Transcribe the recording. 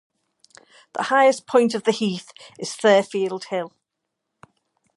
The highest point of the Heath is Therfield Hill.